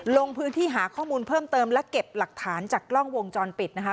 ลงพื้นที่หาข้อมูลเพิ่มเติมและเก็บหลักฐานจากกล้องวงจรปิดนะคะ